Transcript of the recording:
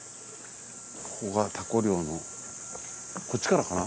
ここがタコ漁のこっちからかな？